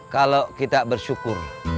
kalau kita bersyukur